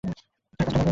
এই কাজটা দেখ।